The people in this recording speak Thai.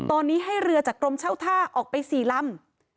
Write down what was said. ตอนนี้ให้เรือจากกรมเช่าท่าออกไป๔ลำ